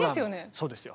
そうですよ。